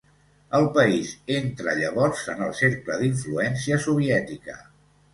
El país entra llavors en el cercle d'influència soviètica.